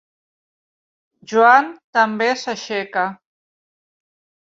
Joan també s'aixeca.